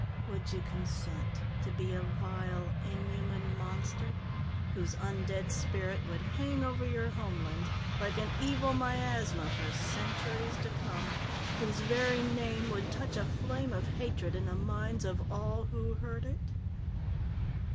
Would you consent to be a vile, inhuman monster whose undead spirit would hang over your homeland like an evil miasma for centuries to come, whose very name would touch a flame of hatred in the minds of all who heard it?"